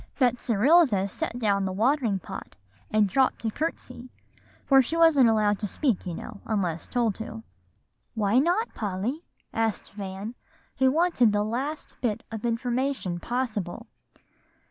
"Betserilda set down the watering pot, and dropped a courtesy; for she wasn't allowed to speak, you know, unless told to." "Why not, Polly?" asked Van, who wanted the last bit of information possible.